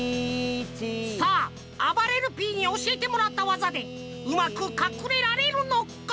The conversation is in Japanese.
さああばれるＰにおしえてもらったワザでうまくかくれられるのか？